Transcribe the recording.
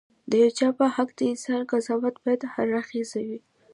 د یو چا په حق د انسان قضاوت باید هراړخيزه وي.